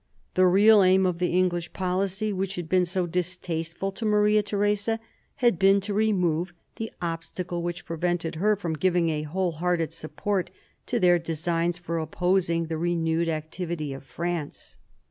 The real aim of the English policy, which had been so distasteful to Maria Theresa, had been to remove the obstacle which prevented her from giving a whole hearted support to their designs for opposing the renewed activity of France.